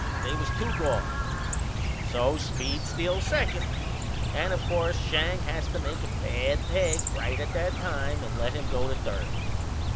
They was two gone; so Speed steals second, and, o' course, Schang has to make a bad peg right at that time and lets him go to third.